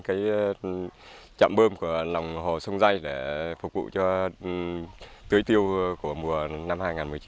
cái chạm bơm của lòng hồ sông dây để phục vụ cho tưới tiêu của mùa năm hai nghìn một mươi chín